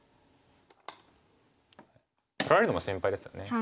取られるのが心配ですよね。